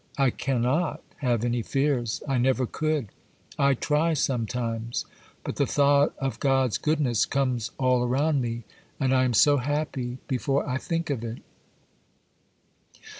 I cannot have any fears,—I never could; I try sometimes, but the thought of God's goodness comes all around me, and I am so happy before I think of it!